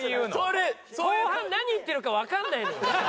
後半何言ってるかわかんないのよ。